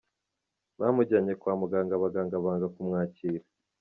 Bamujyanye kwa muganga, abaganga banga kumwakira.